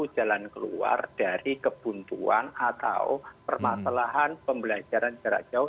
jalan keluar dari kebuntuan atau permasalahan pembelajaran jarak jauh